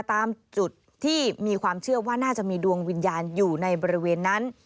ตามจุดที่มีความเชื่อว่าน่าจะมีดวงวิญญาณอยู่ในบริเวณนั้น